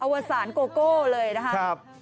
วสารโกโก้เลยนะครับ